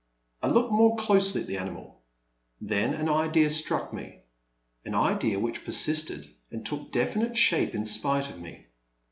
I looked more closely at the ani mal. Then an idea struck me, — an idea which persisted and took definite shape in spite of me.